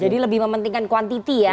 jadi lebih mementingkan kuantiti ya